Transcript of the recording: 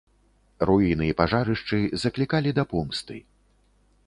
Руіны і пажарышчы заклікалі да помсты.